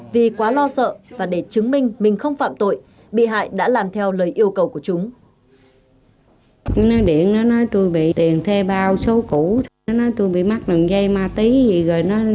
vì quá lo sợ và để chứng minh mình không phạm tội bị hại đã làm theo lời yêu cầu của chúng